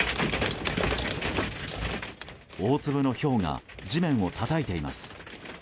大粒のひょうが地面をたたいています。